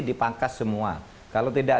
dipangkas semua kalau tidak